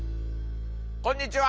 こんにちは！